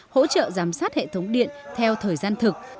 hỗ trợ giám sát hệ thống điện theo thời gian thực